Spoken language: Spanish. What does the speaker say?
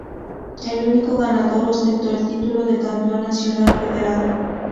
El único ganador ostentó el título de "Campeón Nacional Federado".